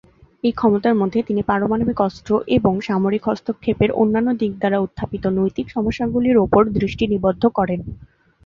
এই ক্ষমতার মধ্যে, তিনি পারমাণবিক অস্ত্র এবং সামরিক হস্তক্ষেপের অন্যান্য দিক দ্বারা উত্থাপিত নৈতিক সমস্যাগুলির উপর দৃষ্টি নিবদ্ধ করেন।